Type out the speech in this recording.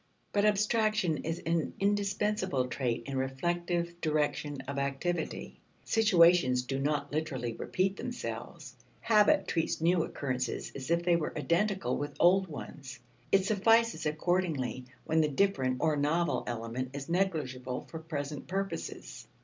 But abstraction is an indispensable trait in reflective direction of activity. Situations do not literally repeat themselves. Habit treats new occurrences as if they were identical with old ones; it suffices, accordingly, when the different or novel element is negligible for present purposes.